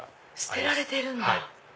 捨てられてるんだ。